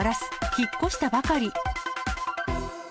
引っ越したばかり。